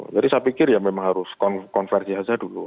jadi saya pikir ya memang harus konversi saja dulu